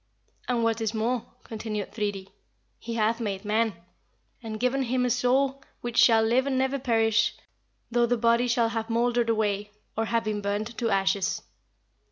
"And what is more," continued Thridi, "he hath made man, and given him a soul which shall live and never perish though the body shall have mouldered away, or have been burnt to ashes.